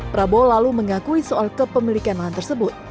prabowo lalu mengakui soal kepemilikan lahan tersebut